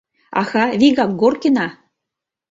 Аха, вигак Горкина.